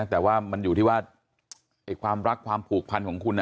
แต่ว่ามันอยู่ที่ว่าความรักความผูกพันของคุณ